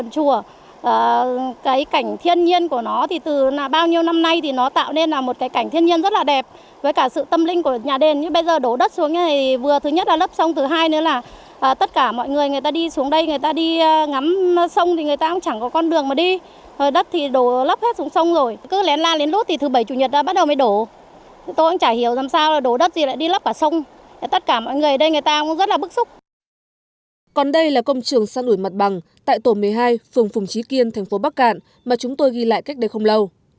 còn đây là công trường sa nổi mặt bằng tại tổ một mươi hai phường phùng trí kiên thành phố bắc cạn mà chúng tôi ghi lại cách đây không lâu